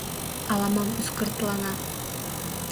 Ала-мом ӱскыртлана.